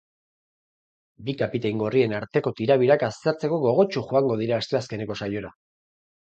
Bi kapitain gorrien arteko tirabirak aztertzeko gogotsu joango dira asteazkeneko saiora.